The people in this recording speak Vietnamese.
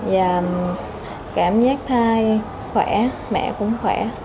và cảm giác thai khỏe mẹ cũng khỏe